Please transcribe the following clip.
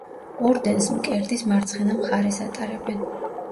ორდენს მკერდის მარცხენა მხარეს ატარებენ.